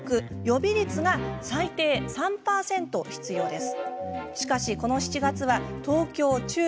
予備率が最低３％必要です。